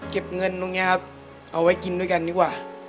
เก็บเงินตรงนี้ครับเอาไว้กินด้วยกันดีกว่า